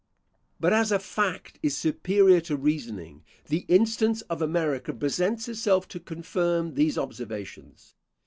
But as a fact is superior to reasoning, the instance of America presents itself to confirm these observations.